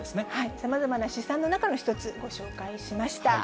さまざまな試算の中の一つ、ご紹介しました。